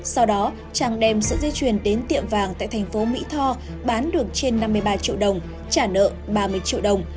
sau đó trang đem sợi dây chuyền đến tiệm vàng tại thành phố mỹ tho bán được trên năm mươi ba triệu đồng trả nợ ba mươi triệu đồng